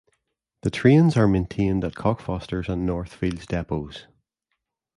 The trains are maintained at Cockfosters and Northfields depots.